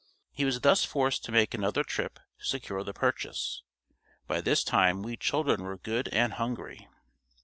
He was thus forced to make another trip to secure the purchase; by this time we children were good and hungry.